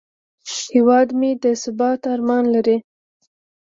هیواد مې د ثبات ارمان لري